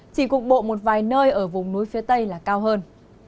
chỉ cục bộ một vài nơi ở vùng núi phía tây là cao hơn